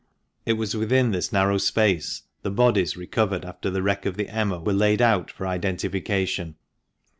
(It was within this narrow space the bodies recovered after the wreck of the Emma were laid out for identification.)